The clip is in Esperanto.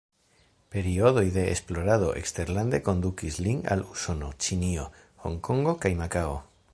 Periodoj de esplorado eksterlande kondukis lin al Usono, Ĉinio, Honkongo kaj Makao.